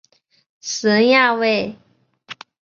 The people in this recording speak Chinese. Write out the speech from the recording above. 死人呀喂！